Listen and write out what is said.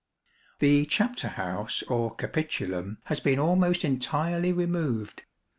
The chapter house or capitulum, has been almost entirely removed.